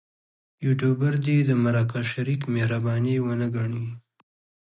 یوټوبر دې د مرکه شریک مهرباني ونه ګڼي.